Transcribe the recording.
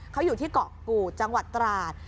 เขาอยู่ที่เกาะกูดจังหวัดตราด